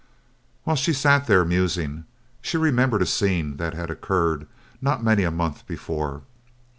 While she sat there, musing, she remembered a scene that had occurred not many a month before.